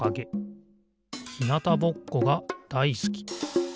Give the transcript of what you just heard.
ひなたぼっこがだいすき。